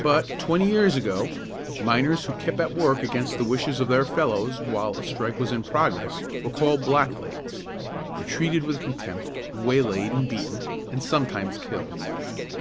But, twenty years ago, miners who kept at work against the wishes of their fellows while a strike was in progress, were called "black legs," were treated with contempt, waylaid and beaten, and sometimes killed.